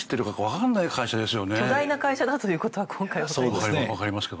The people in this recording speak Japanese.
巨大な会社だということは今回わかりました。